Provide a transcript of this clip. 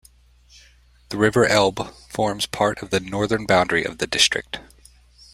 The river Elbe forms part of the northern boundary of the district.